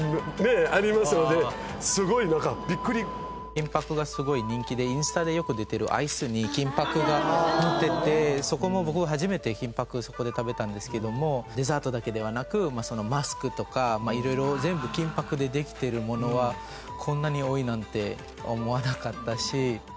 金箔が、すごい人気でインスタでよく出てるアイスに金箔がのっててそこも、僕、初めて金箔、そこで食べたんですけどもデザートだけではなくマスクとかいろいろ、全部金箔でできてるものはこんなに多いなんて思わなかったし。